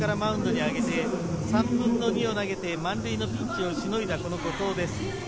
昨日は２人目で５回途中からマウンドに上げて、３分の２をあげて満塁のピンチをしのいだ後藤です。